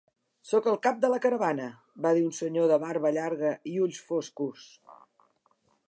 "Soc el cap de la caravana", va dir un senyor de barba llarga i ulls foscos.